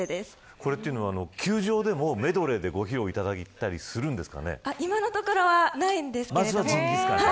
これは球場でもメドレーで披露いただけたり今のところはないんですけど。